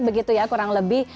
begitu ya kurang lebih